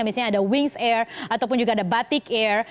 misalnya ada wings air ataupun juga ada batik air